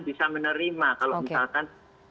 bisa menerima kalau misalkan